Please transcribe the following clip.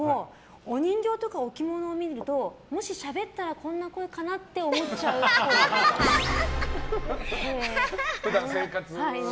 お人形とか置物を見るともししゃべったらこんな声かなって思っちゃうっぽい。